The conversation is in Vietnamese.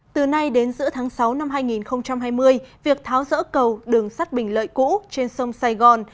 từ nay đến giữa tháng sáu năm hai nghìn hai mươi việc tháo rỡ cầu đường sắt bình lợi cũ trên sông sài gòn